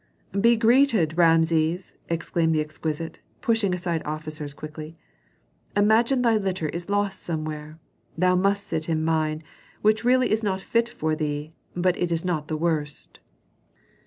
"Be greeted, Rameses!" exclaimed the exquisite, pushing aside officers quickly. "Imagine thy litter is lost somewhere; thou must sit in mine, which really is not fit for thee, but it is not the worst."